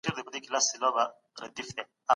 يو سړی په کمپيوټر کي ويب سايټ ګوري.